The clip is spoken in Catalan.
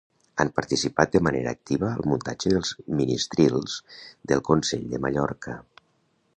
Han participat de manera activa al muntatge dels Ministrils del Consell de Mallorca.